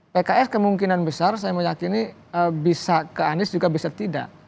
pks kemungkinan besar saya meyakini bisa ke anies juga bisa tidak